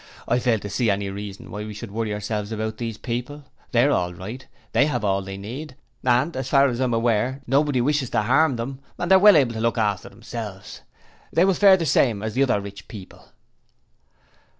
I fail to see any reason why we should worry ourselves about those people; they're all right they have all they need, and as far as I am aware, nobody wishes to harm them and they are well able to look after themselves. They will fare the same as the other rich people.'